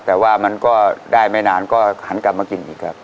แต่ว่ามันก็ได้ไม่นานก็หันกลับมากินอีกครับ